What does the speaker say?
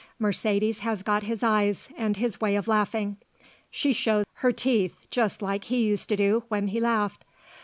Mercedes has got his eyes and his way of laughing; she shows her teeth just like he used to do when he laughed.